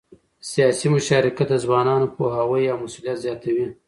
سیاسي مشارکت د ځوانانو د پوهاوي او مسؤلیت زیاتوي